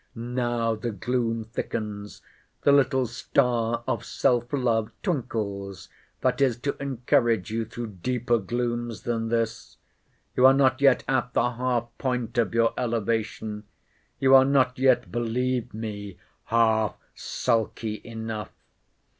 Now the gloom thickens. The little star of self love twinkles, that is to encourage you through deeper glooms than this. You are not yet at the half point of your elevation. You are not yet, believe me, half sulky enough.